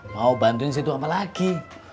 mau bantuin situ apa lagi